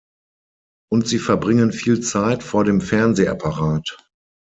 Und sie verbringen viel Zeit vor dem Fernsehapparat.